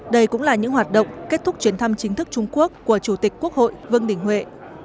đây cũng là những hoạt động kết thúc chuyến thăm chính thức trung quốc của chủ tịch quốc hội vương đình huệ